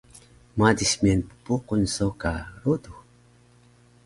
Madis miyan ppuqun so ka rodux